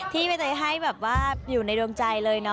ที่ใบเตยให้อยู่ในดวงใจเลย